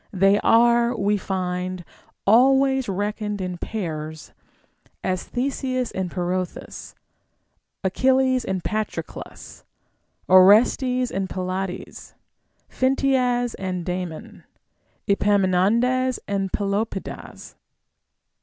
They are, we find, ahvays reckoned in pairs; as Theseus and Pirithous, Achilles and Patroclus, Orestes and Pylades, Phintias and Damon, Epaminondas and Pelopidas.